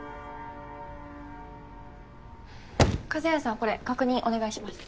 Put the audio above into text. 風早さんこれ確認お願いします。